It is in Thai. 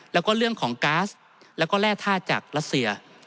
แล้วก็เรื่องของก๊าซแล้วก็แร่ธาตุจากรัสเซีย